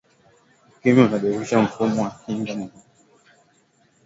ukimwi unadhoofisha mfumo wa kinga mwilini